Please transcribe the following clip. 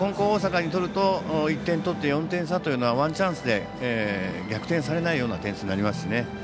大阪にとると１点取って４点差はワンチャンスで逆転されないような点差になりますしね。